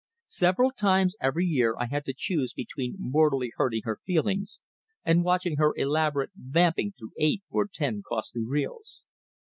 Several times every year I had to choose between mortally hurting her feelings, and watching her elaborate "vamping" through eight or ten costly reels.